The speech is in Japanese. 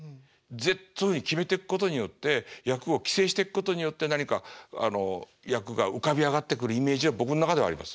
そういうふうに決めていくことによって役を規制していくことによって何か役が浮かび上がってくるイメージは僕ん中ではあります。